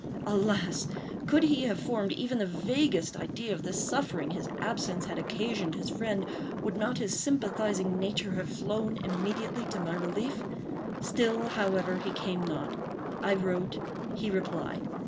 Alas! could he have formed even the vaguest idea of the suffering his absence had occasioned his friend, would not his sympathizing nature have flown immediately to my relief? Still, however, he came not. I wrote. He replied.